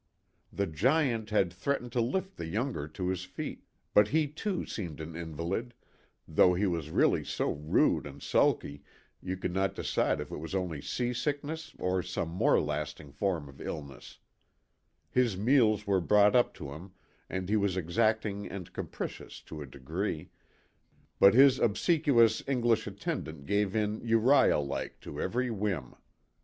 The Giant had threatened to lift the youngster to his feet, but he too seemed an invalid, though he was really so rude and sulky you could not decide if it was only seasickness or some more lasting form of illness ; his meals were brought up to him and he was exacting and capricious to a degree, but his obsequious English attend ant gave in Uriah like, to every whim.